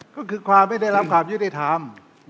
ก็คือความไม่ได้รับความยุติธรรม